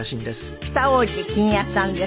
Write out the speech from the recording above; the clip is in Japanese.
北大路欣也さんです。